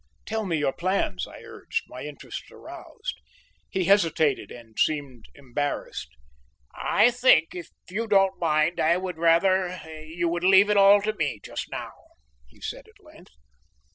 "Tell me your plans," I urged, my interest aroused. He hesitated and seemed embarrassed. "I think, if you don't mind, I would rather you would leave it all to me just now," he said at length.